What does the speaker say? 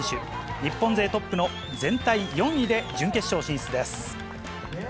日本勢トップの全体４位で準決勝進出です。